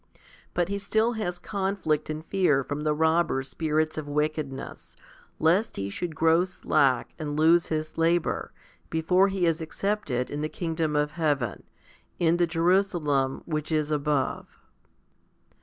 But he still has conflict and fear from the robber spirits of wickedness, lest he should grow slftck and lose his labour, before he is accepted in the kingdom of heaven, in the Jerusalem which is above.